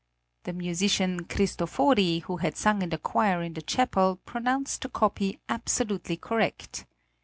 The musician Christofori, who had sung in the choir in the Chapel, pronounced the copy absolutely correct.